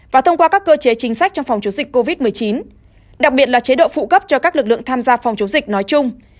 và thông qua các cơ chế chính sách trong phòng chống dịch covid một mươi chín đặc biệt là chế độ phụ cấp cho các lực lượng tham gia phòng chống dịch nói chung